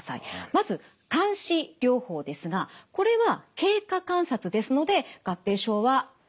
まず監視療法ですがこれは経過観察ですので合併症はありません。